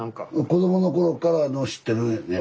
子どもの頃から知ってるんやね